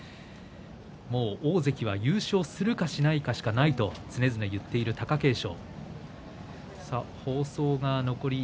大関が優勝するかしないかしかないと常々言っている貴景勝。